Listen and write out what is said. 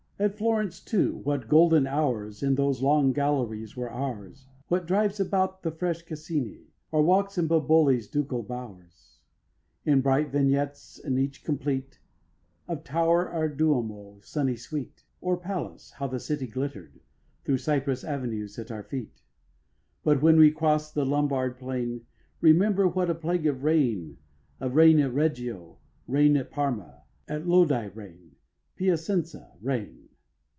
At Florence too what golden hours, In those long galleries, were ours; What drives about the fresh Cascinč, Or walks in Boboli's ducal bowers. In bright vignettes, and each complete, Of tower or duomo, sunny sweet, Or palace, how the city glitter'd, Thro' cypress avenues, at our feet. But when we crost the Lombard plain Remember what a plague of rain; Of rain at Reggio, rain at Parma; At Lodi, rain, Piacenza, rain.